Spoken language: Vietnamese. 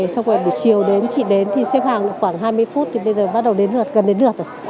xong rồi buổi chiều đến chị đến thì xếp hàng khoảng hai mươi phút thì bây giờ bắt đầu đến lượt gần đến được